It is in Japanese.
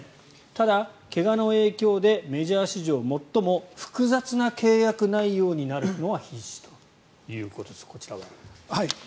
ただ、怪我の影響でメジャー史上最も複雑な契約内容になるのは必至ということです。